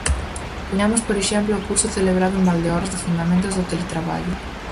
Poñamos por exemplo o curso celebrado en Valdeorras de "Fundamentos do teletraballo".